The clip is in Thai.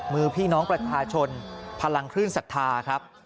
พี่น้องประชาชนพลังคลื่นศรัทธาครับ